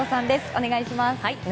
お願いします。